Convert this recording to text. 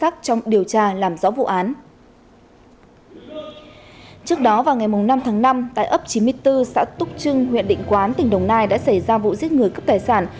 trước đó vào ngày năm tháng năm tại ấp chín mươi bốn xã túc trưng huyện định quán tỉnh đồng nai đã xảy ra vụ giết người cướp tài sản